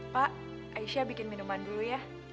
pak aisyah bikin minuman dulu ya